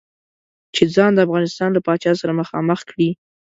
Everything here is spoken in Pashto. چې ځان د افغانستان له پاچا سره مخامخ کړي.